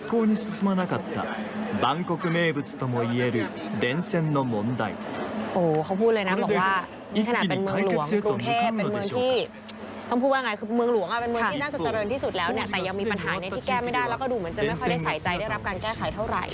ต้องพูดว่าไงคือเมืองหลวงอ่ะเป็นเมืองที่น่าจะเจริญที่สุดแล้วเนี่ย